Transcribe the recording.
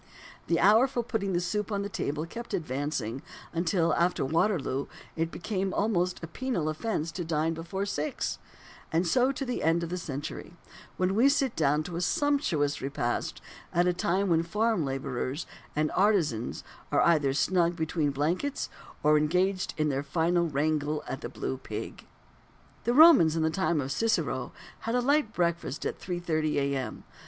The hour for putting the soup on the table kept on advancing, until, after Waterloo, it became almost a penal offence to dine before six; and so to the end of the century, when we sit down to a sumptuous repast at a time when farm labourers and artisans are either snug between the blankets, or engaged in their final wrangle at the "Blue Pig." The Romans in the time of Cicero had a light breakfast at 3.30 A.M.